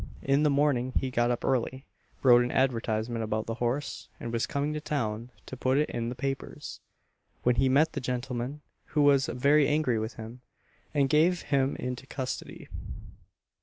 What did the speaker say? In the morning he got up early, wrote an advertisement about the horse, and was coming to town to put it in the papers, when he met the gentleman, who was very angry with him, and gave him into custody.